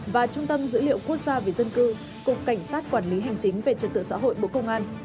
và trung tâm dữ liệu quốc gia về dân cư cục cảnh sát quản lý hành chính về trật tự xã hội bộ công an